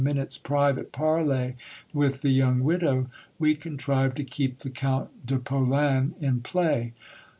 211 j minute's private parley with the young widow, we contrived to keep the Count de Polan in play.